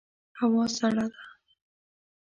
هوا سړه ده